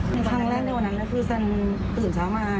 เป็นครั้งแรกในวันนั้นคือแซนตื่นเช้ามา